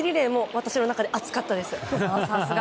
私の中では熱かったです。